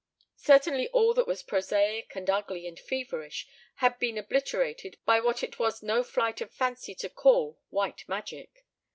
Certainly all that was prosaic and ugly and feverish had been obliterated by what it was no flight of fancy to call white magic.